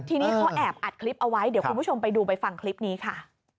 ทีนี้เขาแอบอัดคลิปเอาไว้เดี๋ยวคุณผู้ชมไปดูไปฟังคลิปนี้ค่ะ